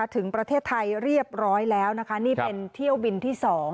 ถึงประเทศไทยเรียบร้อยแล้วนะคะนี่เป็นเที่ยวบินที่๒